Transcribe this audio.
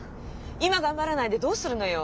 今頑張らないでどうするのよ。